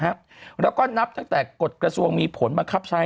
แล้วก็นับตั้งแต่กฎกระทรวงมีผลบังคับใช้